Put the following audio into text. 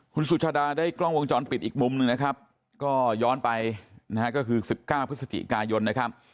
คุณสุชาดาได้กล้องวงจรปิดอีกมุมหนึ่งนะครับก็ย้อนไปนะฮะก็คือ๑๙พฤศจิกายนนะครับ